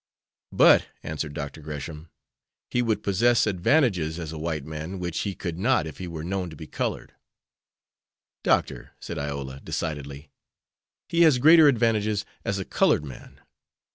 "But," answered Dr. Gresham, "he would possess advantages as a white man which he could not if he were known to be colored." "Doctor," said Iola, decidedly, "he has greater advantages as a colored man."